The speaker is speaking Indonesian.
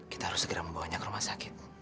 kita harus segera membawanya ke rumah sakit